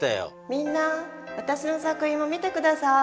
みんなわたしの作品も見て下さい。